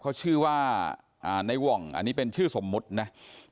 เขาชื่อว่าในว่องอันนี้เป็นชื่อสมมุตินะ